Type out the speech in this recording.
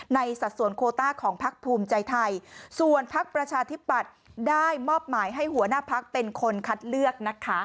สัดส่วนโคต้าของพักภูมิใจไทยส่วนพักประชาธิปัตย์ได้มอบหมายให้หัวหน้าพักเป็นคนคัดเลือกนะคะ